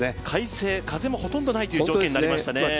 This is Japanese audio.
快晴、風もほとんどないという条件になりましたね。